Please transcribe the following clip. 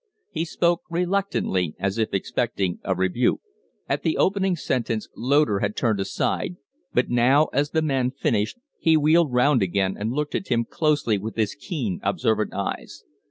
He spoke reluctantly, as if expecting a rebuke. At the opening sentence Loder had turned aside, but now, as the man finished, he wheeled round again and looked at him closely with his keen, observant eyes.